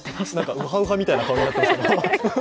ウハウハみたいな顔になってますね。